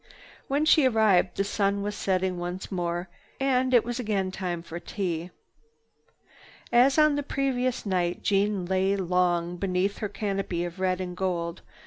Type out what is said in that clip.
When she arrived the sun was setting once more and it was again time for tea. As on the previous night, Jeanne lay long beneath her canopy of red and gold.